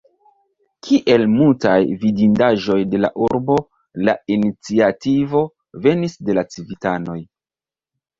Kiel multaj vidindaĵoj de la urbo la iniciativo venis de la civitanoj.